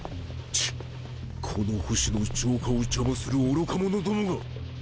チッこの星の浄化を邪魔する愚か者どもが！